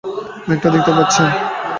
মেঘটা দেখতে পাচ্ছেন?